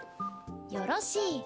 よろしい。